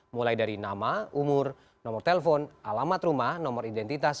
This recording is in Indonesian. mulai dari nama umur nomor telepon alamat rumah nomor identitas